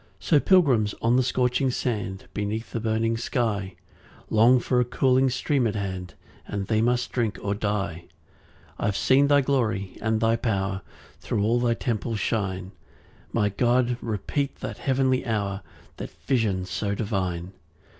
2 So pilgrims on the scorching sand, Beneath a burning sky, Long for a cooling stream at hand, And they must drink or die. 3 I've seen thy glory and thy power Thro' all thy temple shine; My God, repeat that heavenly hour, That vision so divine.